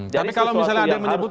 tapi kalau misalnya ada yang menyebut